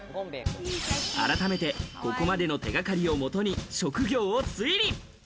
改めて、ここまでの手掛かりをもとに職業を推理。